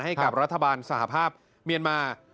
ให้กับรัฐบาลสหภาพเมียนมา